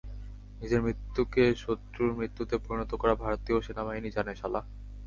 নিজের মৃত্যুকে শত্রুর মৃত্যুতে পরিণত করা ভারতীয় সেনাবাহিনী জানে, শালা।